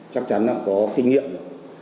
chắc chắn đã có kinh nghiệm rồi